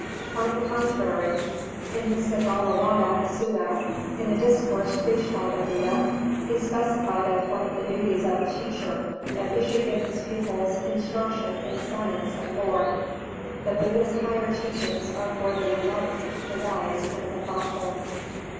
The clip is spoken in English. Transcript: Quite the contrary: in the Sigālowāda Sutta in a discourse preached by the Buddha, He specified as one of the duties of a teacher that he should give his pupils "instruction in science and lore". The Buddha's higher teachings are for the enlightened, the wise, and the thoughtful.